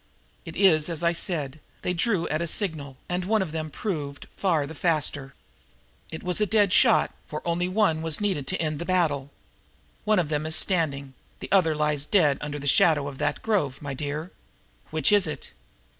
"It is as I said. They drew at a signal, and one of them proved far the faster. It was a dead shot, for only one was needed to end the battle. One of them is standing, the other lies dead under the shadow of that grove, my dear. Which is it?"